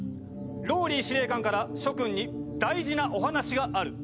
ＲＯＬＬＹ司令官から諸君に大事なお話がある！